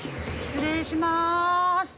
失礼します。